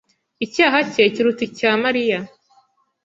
icyaha cye kiruta icya Mariya;